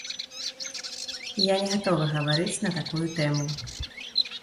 Я не гатовы гаварыць на такую тэму.